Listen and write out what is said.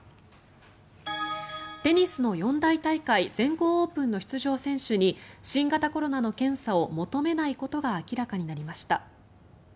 テニスの四大大会全豪オープンの出場選手に新型コロナの検査を求めないことが明らかになりました。